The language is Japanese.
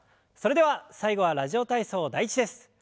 それでは最後は「ラジオ体操第１」です。